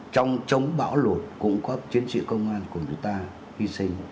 trong chống bão lụt cũng có chiến sĩ công an của chúng ta hy sinh